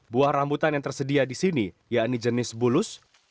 buah rambutan yang tersedia di sini yakni jenis bulus